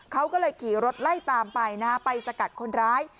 เขาก็เลยขี่รถไล่ตามไปนะฮะไปสกัดคนร้าย